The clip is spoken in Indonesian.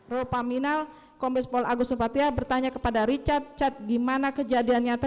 ro paminal kambes paul agus nopatia bertanya kepada richard di mana kejadian nyata